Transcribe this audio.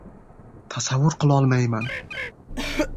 Tasavvur qilolmayman!